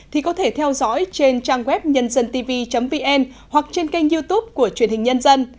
thì có thể theo dõi trên trang web nhân dân tv vn hoặc trên kênh youtube của truyền hình nhân dân